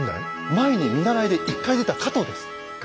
前に見習いで１回出た加藤です。